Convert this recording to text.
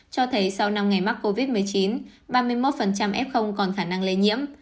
cho thấy sau năm ngày mắc covid một mươi chín ba mươi một f còn khả năng lây nhiễm